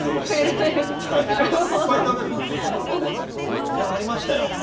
いっぱい食べる工夫とか、あっありましたよ。